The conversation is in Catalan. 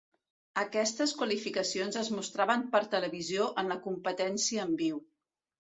Aquestes qualificacions es mostraven per televisió en la competència en viu.